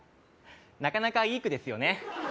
なかなかいい句ですよね